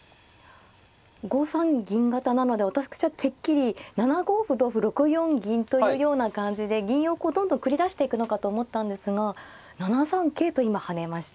５三銀型なので私はてっきり７五歩同歩６四銀というような感じで銀をどんどん繰り出していくのかと思ったんですが７三桂と今跳ねました。